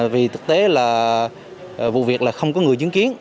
vì thực tế là vụ việc là không có người chứng kiến